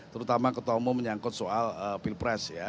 terutama ketua umum menyangkut soal pilpres ya